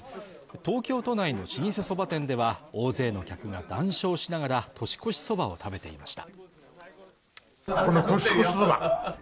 東京都内の老舗そば店では大勢の客が談笑しながら年越しそばを食べていました。